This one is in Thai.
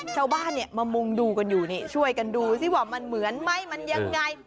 ชาวบ้านเนี่ยมามุงดูกันอยู่นี่ช่วยกันดูสิว่ามันเหมือนไหมมันยังไง